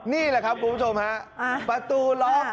นี่แหละครับคุณผู้ชมฮะประตูล็อก